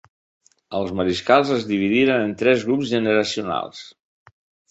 Els mariscals es dividiren en tres grups generacionals.